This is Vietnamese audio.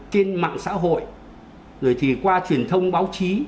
trên mạng xã hội rồi thì qua truyền thông báo chí